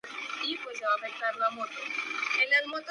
Los habitantes se dedican al turismo y la agricultura.